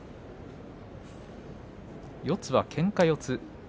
四つはけんか四つ。